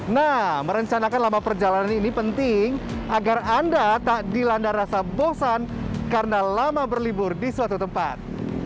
nah merencanakan lama perjalanan ini penting agar anda tak dilanda rasa bosan karena lama berlibur di suatu tempat